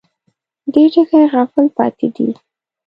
دې ټکي غافل پاتې دي.